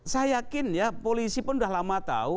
saya yakin ya polisi pun sudah lama tahu